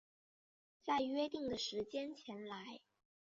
在约定的时间前来